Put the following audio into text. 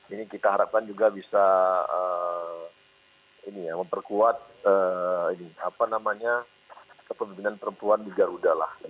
ini kita harapkan juga bisa memperkuat kepemimpinan perempuan di garuda